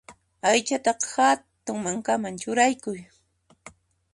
Aychataqa hatun mankaman churaykuy.